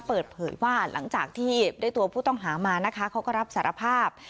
เปิดเผยว่าหลังจากที่ได้ตัวผู้ต้องหามานะคะเขาก็รับสารภาพ